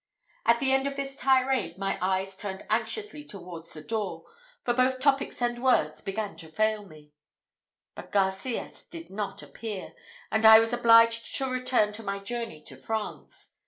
At the end of this tirade my eyes turned anxiously towards the door, for both topics and words began to fail me; but Garcias did not appear, and I was obliged to return to my journey to France.